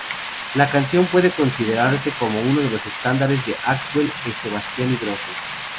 La canción puede considerarse como uno de los estandartes de Axwell e Sebastian Ingrosso.